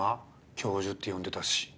教授って呼んでたし。